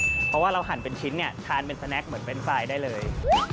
เพราะว่าเราหั่นเป็นชิ้นเนี่ยทานเป็นสแนคเหมือนเป็นไฟล์ได้เลย